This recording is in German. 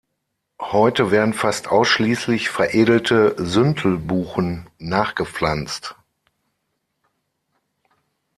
Heute werden fast ausschließlich veredelte Süntelbuchen nachgepflanzt.